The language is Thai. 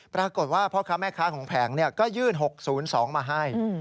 ปรากฏว่าพ่อค้าแม่ค้าของแผงก็ยื่น๖๐๒มาให้